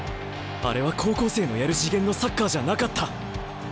あれは高校生のやる次元のサッカーじゃなかった！